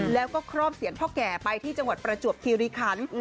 แล้วก็ครอบเสียรพ่อแก่ไปที่จังหวัดประจวบคิริคัน